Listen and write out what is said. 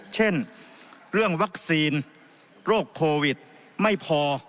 เช่นเรื่องวัคซีนโรคโควิดไม่พอ